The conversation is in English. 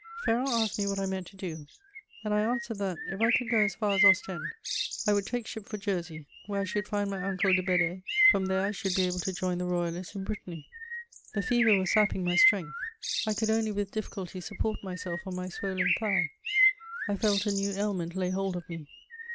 Ferron asked me what I meant to do, and I answered that, if I could go as far as Ostend, I would take ship for Jersey, where I should find my uncle de Bedée; from there I should be able to join the Royalists in Brittany. [Sidenote: And catch the smallpox.] The fever was sapping my strength; I could only with difficulty support myself on my swollen thigh. I felt a new ailment lay hold of me.